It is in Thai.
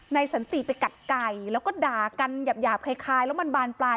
สันติไปกัดไก่แล้วก็ด่ากันหยาบคล้ายแล้วมันบานปลาย